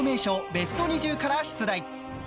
ベスト２０から出題。